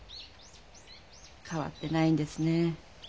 変わってないんですね。